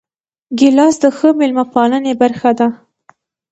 ګیلاس د ښه میلمه پالنې برخه ده.